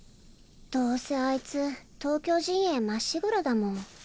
どうせあいつ東京陣営まっしぐらだもん。